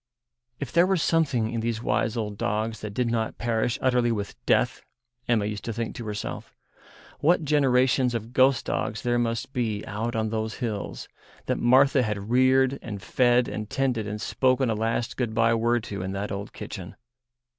If there were something in these wise old dogs that did not perish utterly with death, Emma used to think to herself, what generations of ghost dogs there must be out on those hills, that Martha had reared and fed and tended and spoken a last good bye word to in that old kitchen.